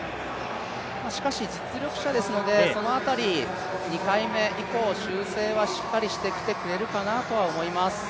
しかし、実力者ですので、その辺り、２回目以降修正はしっかりしてきてくれるかなとは思います。